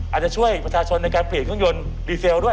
อาจจะช่วยประชาชนในการเปลี่ยนเครื่องยนต์ดีเซลด้วย